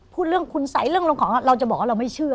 พูดเรื่องคุณสัยเรื่องลงของเราจะบอกว่าเราไม่เชื่อ